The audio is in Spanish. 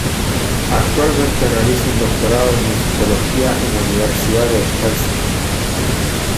Actualmente realiza un Doctorado en Musicología en la Universidad de Helsinki.